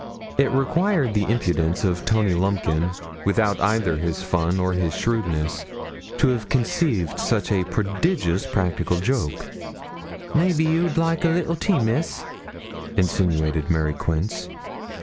It required the impudence of Tony Lumpkin, without either his fun or his shrewdness, to have conceived such a prodigious practical joke. 'Maybe you'd like a little tea, Miss?' insinuated Mary Quince.